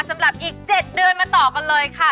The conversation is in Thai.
สำหรับอีก๗เดือนมาต่อกันเลยค่ะ